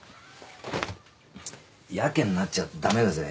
やけになっちゃ駄目だぜ。